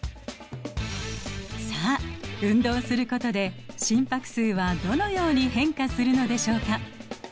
さあ運動することで心拍数はどのように変化するのでしょうか？